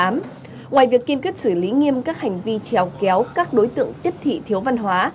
ngoài việc kiên quyết xử lý nghiêm các hành vi trèo kéo các đối tượng tiếp thị thiếu văn hóa